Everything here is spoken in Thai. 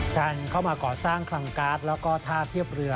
การเข้ามาก่อสร้างคลังการ์ดแล้วก็ท่าเทียบเรือ